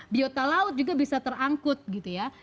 biota laut juga bisa terangkut gitu ya